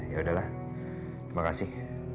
yaudah lah terima kasih